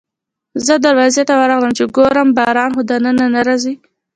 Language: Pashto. زه دروازې ته ورغلم چې وګورم باران خو دننه نه راځي.